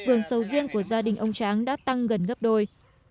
vườn sầu riêng của gia đình ông tráng đã tăng gần gấp đôi